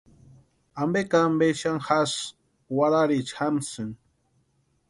¿Ampe ka ampe xani jasï warharicha jamsïni.